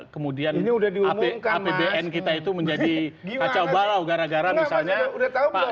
kemudian ini udah diumumkan apbn kita itu menjadi diwacow balau gara gara misalnya udah tahu pak